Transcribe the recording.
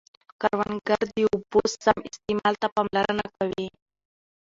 کروندګر د اوبو سم استعمال ته پاملرنه کوي